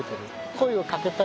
声をかけたい。